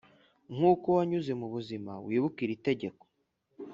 nkuko wanyuze mubuzima wibuke iri tegeko